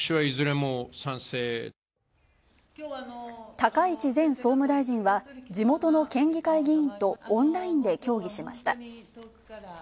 高市前総務大臣は、地元の県議会議員とオンラインで協議しました。